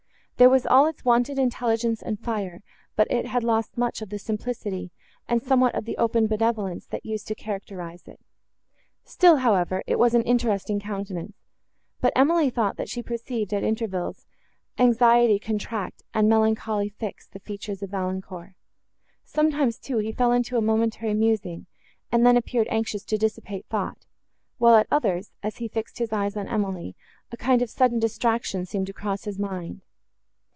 There was all its wonted intelligence and fire; but it had lost much of the simplicity, and somewhat of the open benevolence, that used to characterise it. Still, however, it was an interesting countenance; but Emily thought she perceived, at intervals, anxiety contract, and melancholy fix the features of Valancourt; sometimes, too, he fell into a momentary musing, and then appeared anxious to dissipate thought; while, at others, as he fixed his eyes on Emily, a kind of sudden distraction seemed to cross his mind.